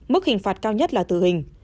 mức hình phạt cao nhất là tử hình